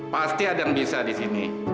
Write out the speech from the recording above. pasti ada yang bisa di sini